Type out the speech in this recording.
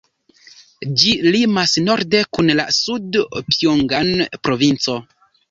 Ĝi limas norde kun la Sud-Pjongan provinco.